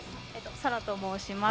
サラと申します。